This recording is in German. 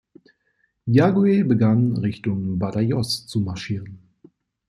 Yagüe begann Richtung Badajoz zu marschieren.